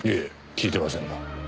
聞いてません。